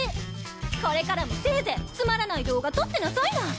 これからもせいぜいつまらない動画撮ってなさいな。